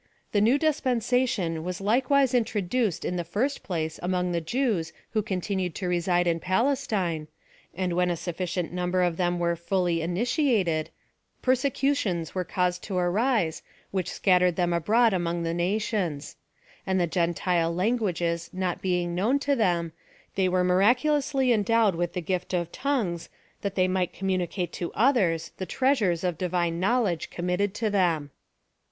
The new dispensation was likewise introduced in the first place among the Jews who continued to reside in Palestine, and when a sufficient number of them were fully initiated, persecutions were caused to arise which scattered them abroad among the nations ; and the Gentile languages not being known to th^^m, they were miraculously endowed with the gift of tongues, that they might communi cate to others the treasures of Divine knowledge committed to them.